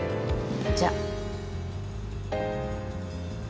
じゃあ。